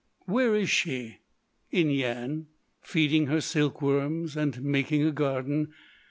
"Where is she?" "In Yian, feeding her silk worms and making a garden.